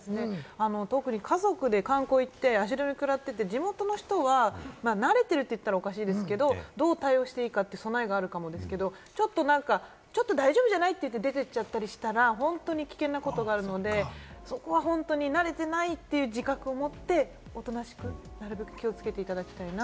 特に家族で観光行って足止めくらってて地元の人は慣れていると言ったらおかしいですけれども、どう対応していいか、その辺があるかもですけれども、大丈夫じゃないと言って出ていっちゃったりしたら、本当に危険なことになるので、そこは本当に慣れていないという自覚を持って、おとなしく、なるべく気をつけていただきたいなと。